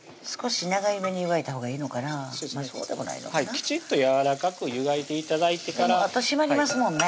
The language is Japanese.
きちっとやわらかく湯がいて頂いてからあと締まりますもんね